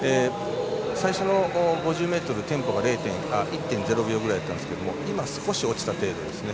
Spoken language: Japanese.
最初の５０ｍ、テンポが１．０秒くらいでしたが今、少し落ちた程度ですね。